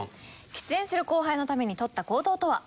喫煙する後輩のためにとった行動とは？